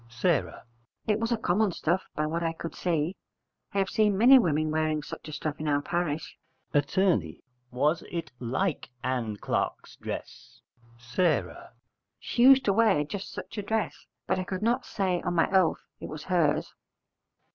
S. It was a common stuff, by what I could see. I have seen many women wearing such a stuff in our parish. Att. Was it like Ann Clark's dress? S. She used to wear just such a dress: but I could not say on my oath it was hers.